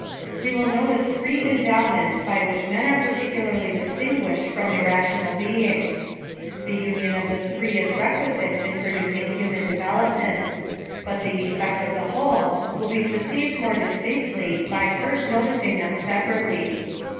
We will notice three endowments by which men are particularly distinguished from irrational beings. The union of the three is requisite in producing human development ; but the effect of the whole will be perceived more distinctly ty first noticing 264 PHILOSOPHY OF THE them separately.